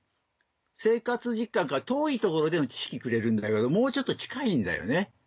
生活実感から遠いところで知識くれるんだけどもうちょっと近いんだよね。